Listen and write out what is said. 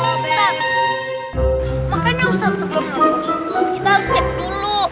ustaz makanya ustaz sebelum nonton itu kita harus cek dulu